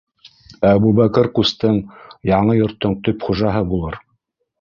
Әбүбәкер ҡустың яңы йорттоң төп хужаһы булыр.